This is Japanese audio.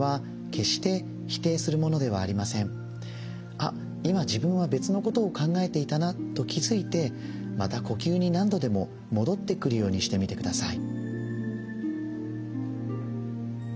「あっ今自分は別のことを考えていたな」と気付いてまた呼吸に何度でも戻ってくるようにしてみてください。